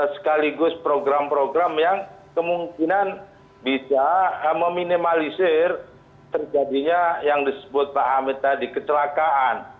sekaligus program program yang kemungkinan bisa meminimalisir terjadinya yang disebut pak hamid tadi kecelakaan